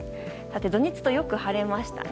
土日とよく晴れましたね。